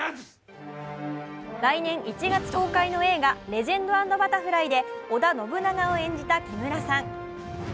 来年１月公開の映画「レジェンド＆バタフライ」で織田信長を演じた木村さん。